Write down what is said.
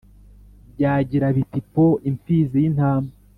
Byagira biti po !-Imfizi y'intama.